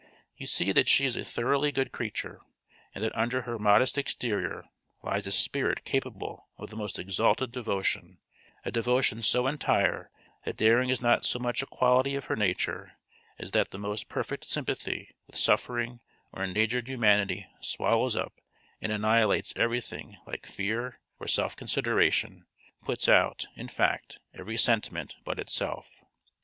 "You see that she is a thoroughly good creature, and that under her modest exterior lies a spirit capable of the most exalted devotion, a devotion so entire that daring is not so much a quality of her nature, as that the most perfect sympathy with suffering or endangered humanity swallows up and annihilates everything like fear or self consideration, puts out, in fact, every sentiment but itself."